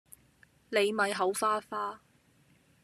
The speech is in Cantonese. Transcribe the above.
你咪口花花